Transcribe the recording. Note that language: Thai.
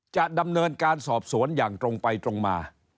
จะดำเนินการสอบสวนอย่างตรงไปตรงมา